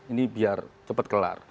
ini biar cepat kelar